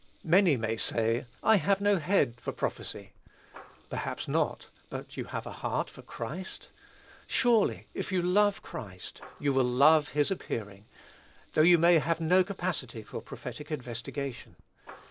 Many may say, I have no head for prophecy. Perhaps not, but you have a heart for Christ? Surely if you love Christ, you will love his appearing, though you may have no capacity for prophetic investigation.